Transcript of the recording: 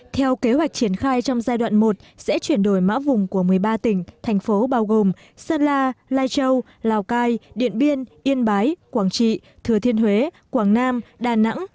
theo kế hoạch triển khai trong giai đoạn một sẽ chuyển đổi mã vùng của một mươi ba tỉnh thành phố bao gồm sơn la lai châu lào cai điện biên yên bái quảng trị thừa thiên huế quảng nam đà nẵng